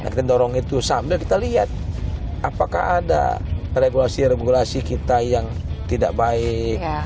kita dorong itu sambil kita lihat apakah ada regulasi regulasi kita yang tidak baik